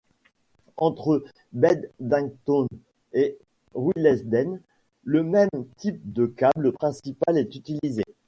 Entre Beddington et Willesden, le même type de câble principal est utilisé.